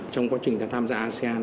trong quá trình tham gia asean